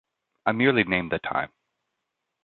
I merely named the time.